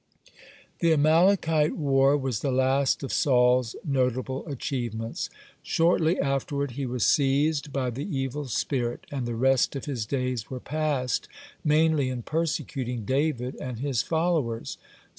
(66) The Amalekite war was the last of Saul's notable achievements. Shortly afterward he was seized by the evil spirit, and the rest of his days were passed mainly in persecuting David and his followers.